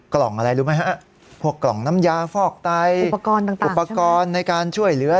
กล่องอะไรรู้ไหมฮะพวกกล่องน้ำยาฟอกไตอุปกรณ์ในการช่วยเหลือ